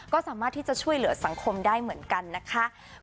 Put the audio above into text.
ก็สามารถที่จะช่วยเหลือสังคมได้เหมือนกันนะคะ